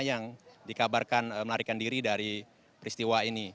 yang dikabarkan melarikan diri dari peristiwa ini